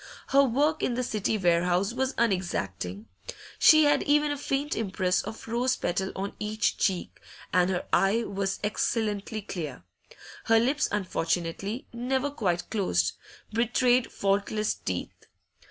Her work in the City warehouse was unexacting; she had even a faint impress of rose petal on each cheek, and her eye was excellently clear. Her lips, unfortunately never quite closed, betrayed faultless teeth.